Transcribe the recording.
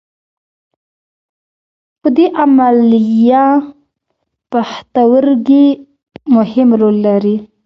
په دې عملیه پښتورګي مهم رول لري.